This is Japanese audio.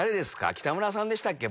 北村さんでしたっけ？